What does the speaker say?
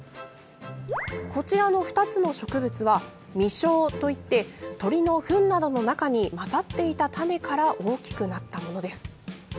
こちらの２つの植物は実生といって鳥のふんなどの中に混ざっていた種から大きくなったものです。